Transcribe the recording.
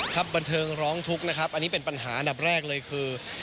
ครับบันเทิงร้องทุกข์นะครับอันนี้เป็นปัญหาอันดับแรกเลยคือ